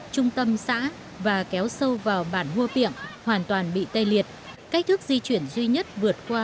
trung tâm xã và kéo sâu vào bản hua miệng hoàn toàn bị tê liệt cách thức di chuyển duy nhất vượt qua